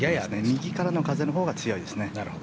右からの風のほうが強いですね。